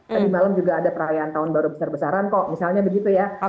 tadi malam juga ada perayaan tahun baru besar besaran kok misalnya begitu ya